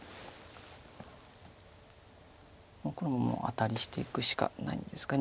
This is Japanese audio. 黒もアタリしていくしかないんですが。